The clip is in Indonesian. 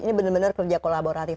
ini benar benar kerja kolaboratif